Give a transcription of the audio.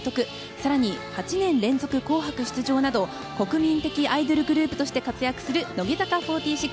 更に８年連続「紅白」出場など国民的アイドルグループとして活躍する乃木坂４６。